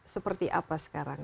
seperti apa sekarang